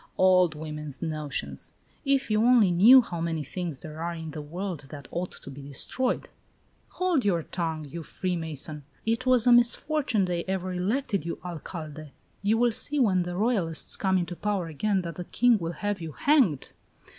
"Old women's notions. If you only knew how many things there are in the world that ought to be destroyed!" "Hold your tongue, you free mason! It was a misfortune they ever elected you Alcalde. You will see when the Royalists come into power again that the king will have you hanged!"